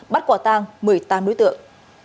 bắt quả tăng một mươi tám đối tượng